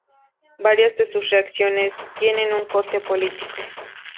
Varias de sus creaciones tienen un corte político.